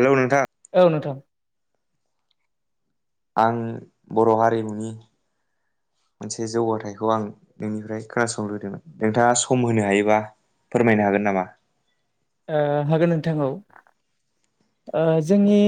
Hello नोंथां औ नोंथां आं बर हारिमुनि मोनसे जौगाथायखौ आं नोंनिफ्राय खोनासंनो लुबैदोंमोन नोंथाङा सम होनो हायोबा फोरमायनो हागोन नामा? ओ हागोन नोंथां ओ जोंनि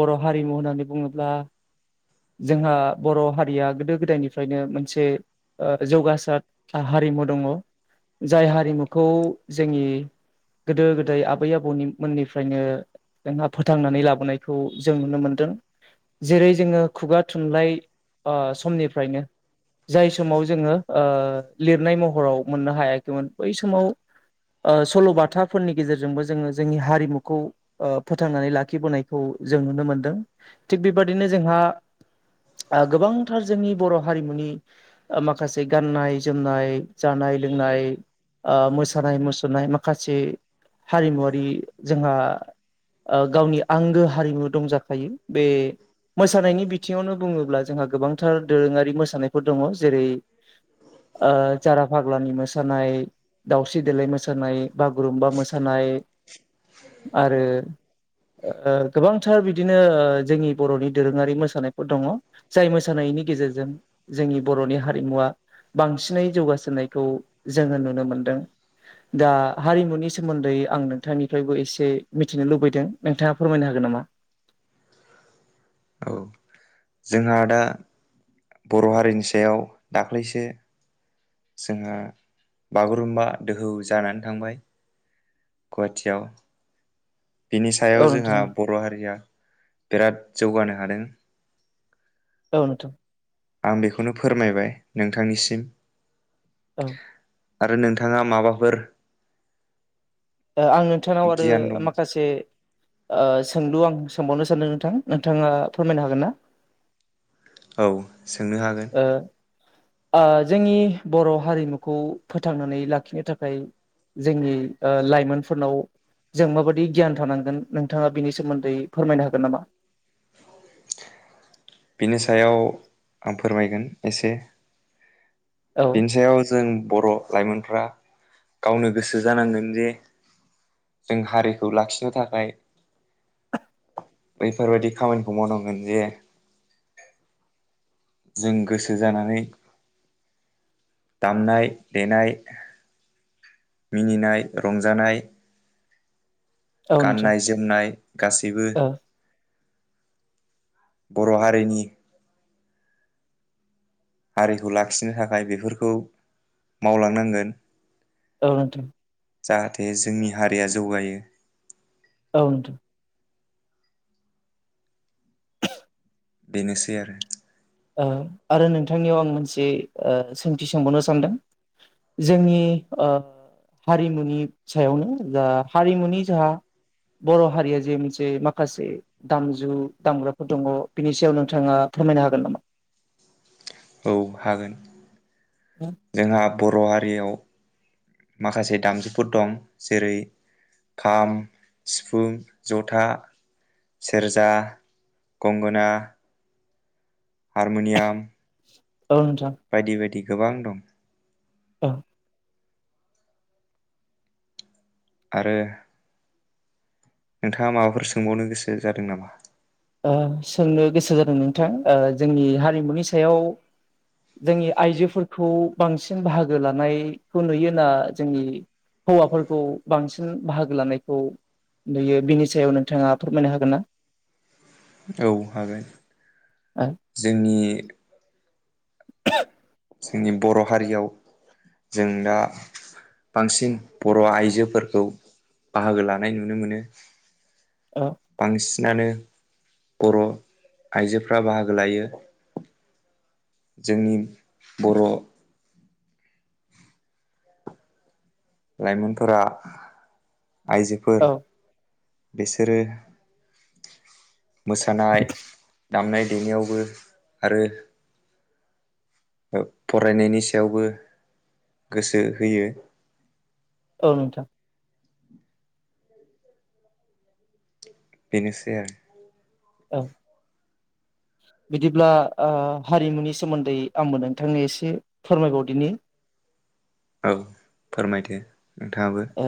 बर' हारिमु होननानै बुङोब्ला जोंहा बर हारिया गोदो गोदायनिफ्रायनो मोनसे ओ जौगासार हारिमु दङ जाय हारिमुखौ जोंनि गोदो गोदाय आबै आबौनि मोननिफ्रायनो जोंहा फोथांनानै लाबोनायखौ जों नुनो मोनदों जेरै जोंङो खुगा थुनलाइ ओ समनिफ्रायनो जाय समाव जोंङो ओ लिरनाय महराव मोननो हायाखैमोन बै समाव ओ सल'बाथा फोरनि गेजेरजोंबो जोंङो जोंनि हारिमुखौ फोथांनानै लाखिबोनायखौ जों नुनो मोनदों थिग बेबादिनो जोंहा [inaudible] ओ गोबांथार जोंनि बर' हारिमुनि माखासे गाननाय जोमनाय जानाय लों नाय ओ मोसानाय मुसुरनाय माखासे हारिमुवारि जोंहा ओ गावनि आंगो हारिमु दंजाखायो बे मोसानायनि बि थिङावनो बुङोब्ला जोंहा गोबांथार दोरोङारि मोसानायफोर दङ जेरै जारा फाग्लानि मोसानाय दावस्रि देलाय मोसानाय बागुरुम्बा मोसानाय आरो ओ गोबांथार बिदिनो ओ जोंनि बरनि दोरोङारि मोसानाय दङ जाय मोसानायनि गेजेरजों जोंनि बरनि हारिमुवा बांसिनै जौगासारनायखौ जोंङो नुनो मोनदों दा हारिमुनि सोमोन्दै आं नोंथांनिफ्रायबो एसे मिथिनो लुबैदों नोंथाङा फोरमायनो हागोन उम औ जोंहा दा बर' हारिनि सायाव दाख्लैसो जोंहा बागुरुम्बा दोहौ जानानै थांबाय गुवाथियाव बिनि औ सायाव जोंहा नोंथां बर' हारिया बिराद जौगानो हादों औ नोंथां आं बेखौनो फोरमायबाय नोंथांनिसिम औ आरो नोंथाङा माबाफोर आं नोंथांनाव आरो गियान दङ माखासे ओ सोंलु आं सोंबावनो सानदों नोंथां नोंथाङा फोरमायनो हागोन ना । औ सोंनो हागोन । आ जोंनि बर' हारिमुखौ फोथांनानै लाखिनो थाखाय । जोंनि ओ लाइमोनफोरनाव । जों माबायदि गियान थानांगोन नोंथाङा बिनि सोमोन्दै फोरमायनो हागोन नामा । [inaudible] बिनि सायाव आं फोरमायगोन एसे औ बिनि सायाव जों । बर' लाइमोनफ्रा गावनो गोसो जानांगोन जे । जों हारिखौ लाखिनो थाखाय । बैफोरबायदि खामानिखौ मावनांगोन जे । जों गोसो जानानै दामनाय- देनाय । मिनिनाय- रंजानाय औ । नोंथां गाननाय -जोमनाय गासैबो । औ बर' हारिनि । हारिखौ लाखिनो थाखाय बेफोरखौ मावलांनांगोन । औ नोंथां । जाहाथे जोंनि हारिया जौगायो । औ नोंथां । बेनोसै आरो । ओ आरो नोंथांनियाव आं मोनसे ओ सोंथि सोंबावनो सानदों । जोंनि ओ हारिमुनि सायावनो जा हारिमुनि जाहा बर' हारिया जे मोनसे माखासे दामजु दामग्राफोर दङ बिनि सायाव नोंथाङा । फोरमायनोहागोन नामा । औ हागोन जोंहा बर' हारियाव । माखासे दामजुफोर दं जेरै खाम, सिफुं, जथा । सेरजा, गंगोन । हारमोनियाम । औ नोंथां बायदि-बायदि गोबां दं । ओ । आरो । नोंथाङा माबाफोर सोंबावनो गोसो जादों नामा । ओ सोंनो गोसो जादों नोंथां ओ जोंनि हारिमुनि सायाव जोंनि आइजोफोरखौ बांसिन बाहागो लानायखौ नुयोना जोंनि । हौवाफोरखौ बांसिन बाहागो लानायखौ । दयो बिनि सायाव नोंथाङा फोरमायनो हागोन ना । औ हागोन ओ जोंनि [unintelligible] जोंनि बर' हारियाव जों दा । बांसिन बर' आइजोफोरखौ बाहागो लानाय नुनो मोनो । औ बांसिनानो बर' आइजोफ्रा बाहागो लायो । जोंनि बर' । लाइमोनफोरा आइजोफोर औ । बेसोरो । मोसानाय दामनाय- देनायावबो आरो । ओ फरायनायनि सायावबो गोसो होयो । औ नोंथां । बेनोसै आर । औ । [unintelligible] बिदिब्ला ओ हारिमुनि सोमोन्दै आंबो नोंथांनो एसे फोरमायबावदिनि। औ फोरमायदो नोंथांङाबो। ओ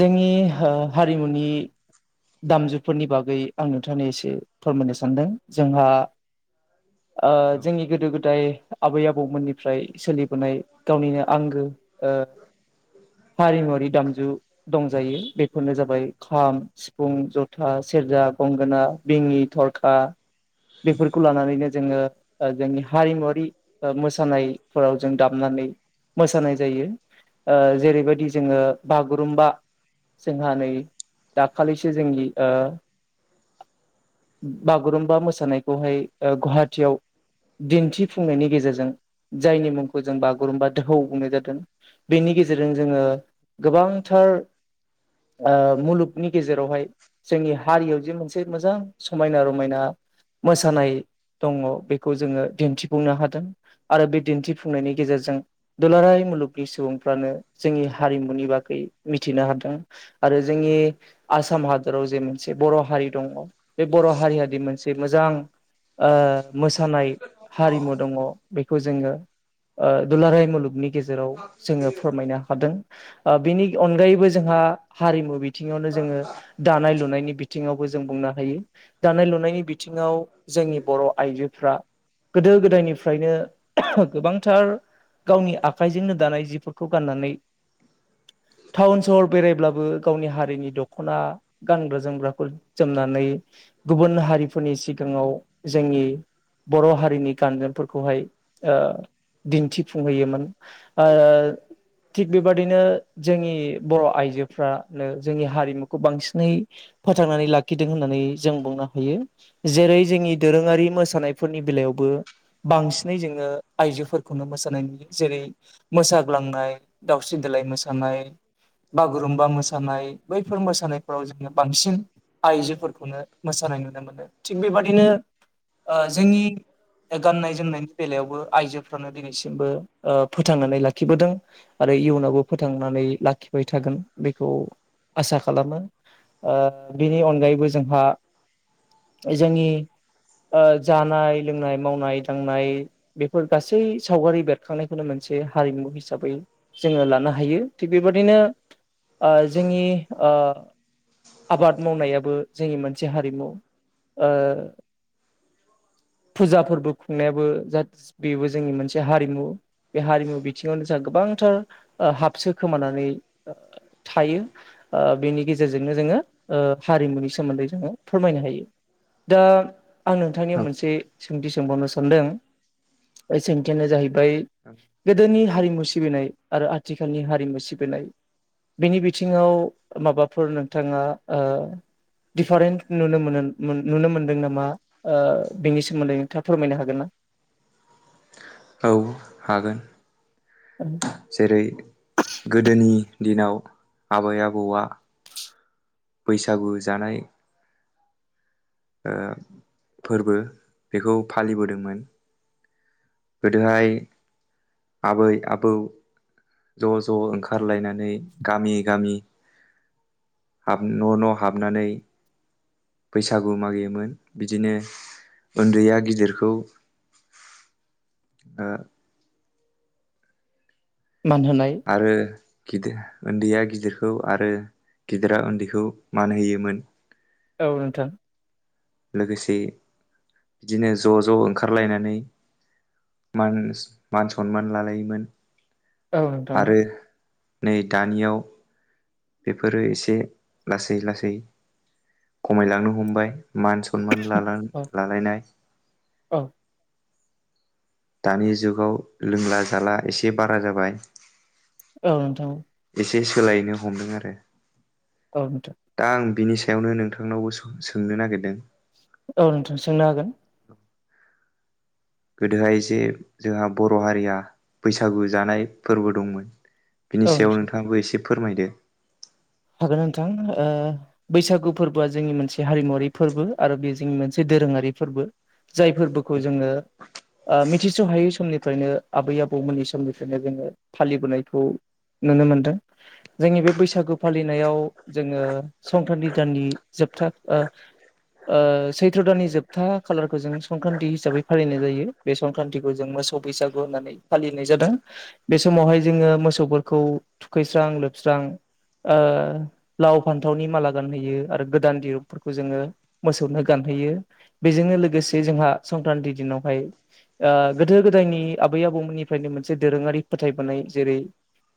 जोंनि हा-हारिमुनि। दामजुफोरनि बागै आं नोंथांनो एसे फोरमायनो सानदों जोंहा। आ औ जोंनि गोदो- गोदाय। आबै आबौमोननिफ्राय सोलिबोनाय गावनिनो आंगो ओ। हारिमुआरि दामजु दंजायो बेफोरनो जाबाय खाम, सि सिफुं, जथा, सेरजा, गंगोना, बिङि, थरखा। बेफोरखौ लानानैनो जोंङो ओ जोंनि हारिमुवारि ओ मोसानायफोराव जों दामनानै। मोसानाय जायो ओ जेरैबायदि जोंङो बागुरुम्बा। जोंहा नै दाखालिसो जोंनि ओ। बागुरुम्बा मोसानायखौहाइ ओ गुवाहाटीआव। दिन्थिफुंनायनि गेजेरजों। जायनि मुंखौ जों बागुरुमबा दोहौ बुंनाय जादों बेनि गेजेरजों जोंङो। गोबांथार आ मुलुग। नि गेजेरावहाय जोंनि हारियाव जे मोनसे मोजां समायना-रमायनाव मोसानाय। दंङ बेखौ जोङो दिन्थिफुंनो हादों आरो बे दिन्थिफुंनायनि गेजेरजों दुलाराय। मुलुगनि सुबुंफ्रानो जोंनि हारिमुनि बागै मिथिनो हादों आरो जोंनि आसाम हादराव जे मोनसे बर' हारि दंङ बे बर' हारियद मोनसे मोजां ओ मोसानाय हारिमु दंङ बेखौ जोंङो ओदुलाराय मुलुगनि गेजेराव जोंङो फोरमायनो हादों बिनि अनगायैबो जोंहा! हा हारिमु बिथिंङावनो जोंङो दानाय-लुनाय। नि बिथिंङावबो जों बुंनो हायो दानाय -लुनायनि बिथिंङाव जोंनि बर' आइजोफ्रा। गोदो गोदायनिफ्रायनो गोबांथार। गावनि आखाइजोंनो दानाय जिफोरखौ गाननानै। टाउन सहर बेरायब्लाबो गावनि हारि। हारिनि दख'ना गानग्रा- जोमग्राखौ जोमनानै गुबुन हारिफोरनि सिगांङाव। जोंनि। बर' हारिनि गाननाय फोरखौहाय ओ दिन्थिफुंहोयोमोन। ओ थिग बेबादिनो जोंनि बर' आइजो फ्रानो। जोंनि हारिमुखौ बांसिनै फोथांनानै लाखिदों होननानै जों बुंनो हायो जेरै जों। जोंनि दोरोंङारि मोसानायफोरनि बेलायावबो। बांसिनै जोंङो आइजोफोरखौनो मोसानाय नुयो जेरै मोसाग्लांनाय, दावस्रि दे देलाय मोसानाय, बागुरुम्बा मोसानाय। बैफोर मोसानायफोराव जोङो बांसिन आइजोफोरखौनो मोसानाय नुनो मोनो थिग, बेबादिनो अ जोंनि। गाननाय- जोमनायनि बेलायावबो आइजोफ्रानो दिनैसिमबो अ फोथांनानै लाखिबोदों आरो आरो इयुनावबो फोथांनानै लाखिबाय थागोन बेखौ। आसा खालामो ओ बिनि अनगायैबो जोंहा। जोंनि। अ जानाय-लोंनाय, मावनाय-दांनाय बेफोर गासै सावगारि बेरखांनायखौनो मोन मोनसे हारिमु हिसाबै जोंङो लानो हायो थिग बेबायदिनो ओ जोंनि अ। आबाद मावनायाबो जोंनि मोनसे हारिमु अ। फुजा- फोर्बो खुंनायाबो जास्त बेबो जोंनि मोनसे हारिमु। बे हारिमु बिथिंङावनो जोंहा गोबांथार आ हाबसो खोमानानै ओ थायो। ओ बेनि गेजेरजोंनो जोंङो ओ हारिमुनि सोमोन्दै जोंङो फोरमायनो हायो। दा आं नोंथांनियाव मोनसे सोंथि सोंबावनो सानदों। बै सोंथियानो जाहैबाय गोदोनि हारिमु सिबिनाय आरो आथिखालनि हारिमु सिबिनाय बेनि बि थिङाव माबाफोर नोंथाङा ओ दिफारेन्ट नुनो नुनो मोनदों नामा ओ बेनि सोमोन्दै नोंथाङा फोरमायनो हागोन ना? औ हागोन [inaudible] जेरै गोदोनि दिनाव आबै आबौआ बैसागु जानाय ओ फोरबो बेखौ फालिबोदोंमोन गोदोहाय आबै आबौ ज' ज' ओंखारलायनानै गामि गामि हाब न' न' हाबनानै बैसागु मागियोमोन बिदिनो उन्दैया गिदिरखौ ओ मान होनाय आरो गिदिर उन्दैया गिदिरखौ आरो गिदिरा उन्दैखौ मान होयोमोन औ नोंथां लोगोसे बिदिनो ज' ज' ओंखारलायनानै मान मान सनमान लालायोमोन औ नोंथां आरो नै दानियाव बेफोरो एसे लासै लासै खमायलांनो हमबाय मान सनमान लानान औ लालायनाय औ दानि जुगाव लोंला जाला एसे बारा जाबाय औ नोंथां एसे सोलायनो हमदों आरो औ नोंथा दा आं बिनि सायावनो नोंथांनावबो सोंनो नागिरदों औ नोंथां सोंनो हागोन गोदोहाय जे जोंहा बर' हारिया बैसागु जानाय फोरबो दंमोन बिनि औ सायाव नोंथां नोंथाङाबो एसे फोरमायदो हागोन नोंथां ओ बैसागु फोरबोआ जोंनि मोनसे हारिमुवारि फोरबो आरो बेयो जोंनि मोनसे दोरोङारि फोरबो जाय फोरबोखौ जोङो मिथिस' हायै समनि फ्रायनो आबै आबौमोननि समनिफ्रायनो जोङो फालिबोनायखौ नुनो मोनदों जोंनि बे बैसागु फालिनायाव जोङो संक्रान्थि दाननि जोबथा ओ ओ सैथ्र' दाननि जोबथा खालारखौ जों संक्रान्तथि हिसाबै फालिनाय जायो बे संक्रान्तिखौ जों मो सौ बैसागु होननानै फालिनाय जादों बे समावहाय जोङो मोसौफोरखौ थुखैस्रां लोब स्रां ओ लाव फानथावनि माला गानहैयो आरो गोदान दिरुंफोरखौ जोङो मोसौनो गानहो यो बेजोंनो लोगोसे जोंहा संक्रान्ति दिनावहाय गोदो गोदायनि आबै आबौ निफायनो मोनसे दोरोङारि फोथायबोनाय जेरै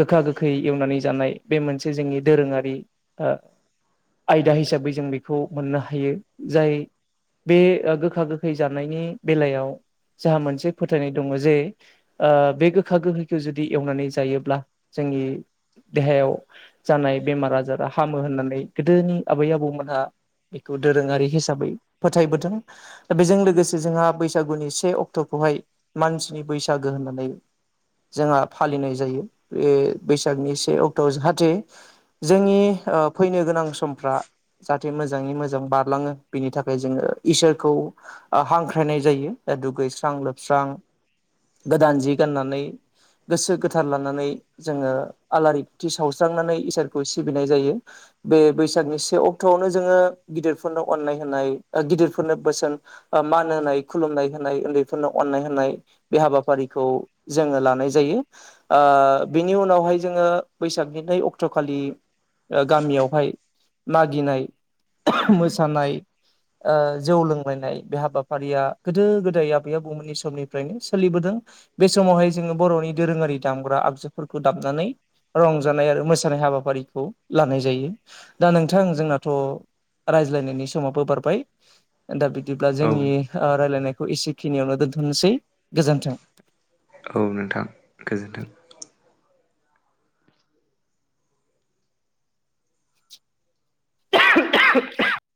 गोखा गोखै एवनानै जानाय बे मोनसे जोंनि दोरोङारि ओ आयदा हिसाबै जों बेखौ मोननो हायो जाय बे गोखा गोखै जानायनि बेलायाव जोंहा मोनसे फोथायनाय दङ जे ओ बे गोखा गोखैखौ जुदि एवनानै जायोब्ला जों नि देहायाव जानाय बेमार आजारा हामो होननानै गोदोनि आबै आबौमोनहा बेखौ दोरोङारि हिसाबै फोथायबोदों बेजों लोगोसे जोंहा बैसागुनि से अक्ट'आव हाय मानसिनि बैसागो होननानै जोंहा फालिनाय जायो बे बैसागनि से अक्ट'आव जाहाथे जोंनि फैनो गोनां समफ्रा जाहाथे मोजाङै मोजां बारलाङो बिनि थाखाय जोङो इसोरखौ हांख्रायनाय जायो दुगैस्रां लोबस्रां गोदान जि गाननानै गोसो गोथार लानानै जोङो आलारि बुथि सावस्रांनानै इसोरखौ सिबिनाय जायो बे बैसागनि से अक्ट'आवनो जोङो गिदिरफोरनो अननाय होनाय गिदिरफोरनो बोसोन मान होनाय खुलुमनाय होनाय उन्दैफोरनो अननाय होनाय बे हाबाफारि बिखौ जोङो लानाय जायो बिनि उनावहाय जोङो बैसागनि सततखालि ओ गामियावहाय मागिनाय मोसानाय ओ जौ लोंलायनाय बे हाबाफारिया गोदो -गोदाय आबै- आबौमोननि समनिफ्रायनो सोलिबोदों बे समावहाय जोङो बर'नि दोरोङारि दामग्रा आगजुफोरखौ दामनानै रंजानाय आरो मोस मोसानाय हाबाफारिखौ लानाय जायो दा नोंथां जोंनाथ' रायज्लायनायनि समावबो बारबाय दा बिदिब्ला औ जोंनि रायलायनायखौ एसेखिनियावनो दोनथ'नोसै गोजोन्थों । औ नोंथां गोजोन्थों । [unintelligible]